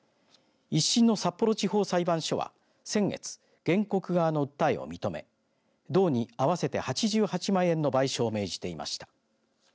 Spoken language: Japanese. １審の札幌地方裁判所は先月、原告側の訴えを認め道に合わせて８８万円の賠償を命じていました。